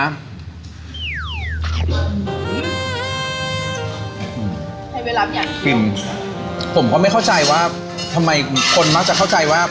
ใช้เวลาอยากกินผมก็ไม่เข้าใจว่าทำไมคนมักจะเข้าใจว่า